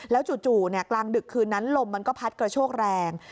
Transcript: แล้วจู่จู่เนี่ยกลางดึกคืนนั้นลมมันก็พัดกระโชกแรง